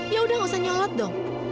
ya udah gak usah nyolot dong